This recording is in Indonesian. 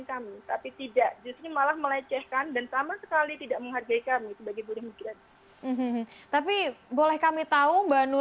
kami untuk memikirkan